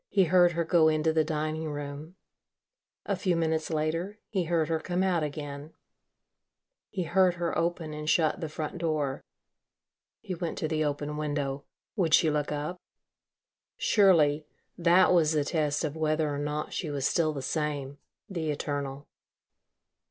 He heard her go into the dining room.... A few minutes later, he heard her come out again. He heard her open and shut the front door.... He went to the open window. Would she look up? Surely that was the test of whether or not she was still the same the eternal.